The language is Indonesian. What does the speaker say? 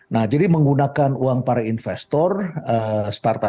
nah jadi menggunakan uang para investor startup